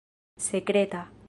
sekreta